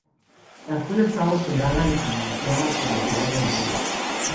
La escuela está operada y financiada por la ciudad de Hamburgo.